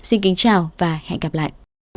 xin kính chào và hẹn gặp lại